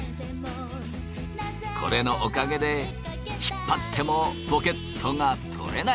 これのおかげで引っ張ってもポケットが取れない！